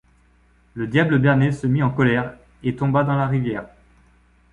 Le Diable berné se mit en colère et tomba dans la rivière.